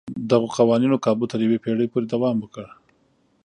دغو قوانینو کابو تر یوې پېړۍ پورې دوام وکړ.